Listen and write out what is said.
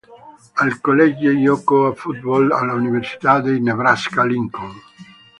Al college giocò a football all'Università del Nebraska-Lincoln.